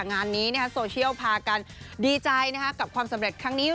งานนี้โซเชียลพากันดีใจกับความสำเร็จครั้งนี้